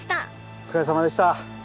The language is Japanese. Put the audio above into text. お疲れさまでした。